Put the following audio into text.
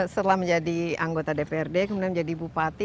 setelah menjadi anggota dprd kemudian menjadi bupati